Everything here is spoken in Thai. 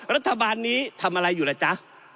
รัฐบาลนี้ทำอะไรอยู่ล่ะจ๊ะ